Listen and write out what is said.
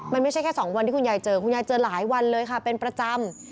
มันไม่ใช่แค่๒วันที่คุณยายเจอคุณยายเจอหลายวันเลยค่ะเป็นประจำ